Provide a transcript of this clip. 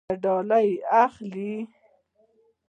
ایا ورته ډالۍ اخلئ؟